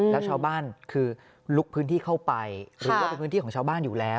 แล้วชาวบ้านคือลุกพื้นที่เข้าไปหรือว่าเป็นพื้นที่ของชาวบ้านอยู่แล้ว